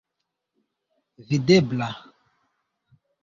videbla